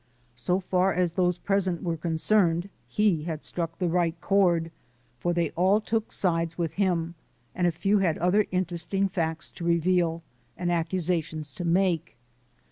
..." So far as those present were concerned, he had struck the right chord, for they all took sides with him, and a few had other interesting facts to reveal and accusations to make.